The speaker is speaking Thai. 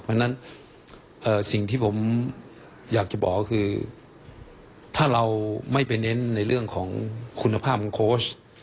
เพราะฉะนั้นสิ่งที่ผมอยากจะบอกก็คือถ้าเราไม่ไปเน้นในเรื่องของคุณภาพของโค้ช